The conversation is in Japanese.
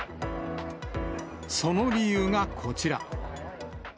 その理由がこちら。